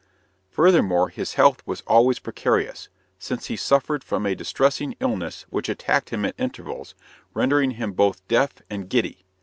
Furthermore, his health was always precarious, since he suffered from a distressing illness which attacked him at intervals, rendering him both deaf and giddy.